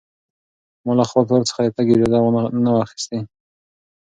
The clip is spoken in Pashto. ما له خپل پلار څخه د تګ اجازه نه وه اخیستې.